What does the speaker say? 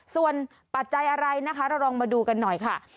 ส่วนปัจจัยอะไรนะคะเราลองมาดูกันหน่อยค่ะ